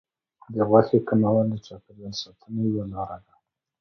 د غوښې کمول د چاپیریال ساتنې یوه لار ده.